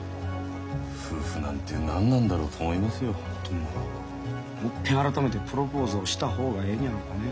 夫婦なんて何なんだろうと思いますよ。もいっぺん改めてプロポーズをした方がええんやろか。